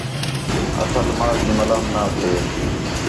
اصل ماں تی ملام نہ تھے